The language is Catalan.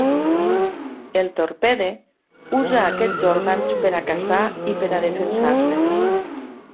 El torpede usa aquests òrgans per a caçar i per a defensar-se.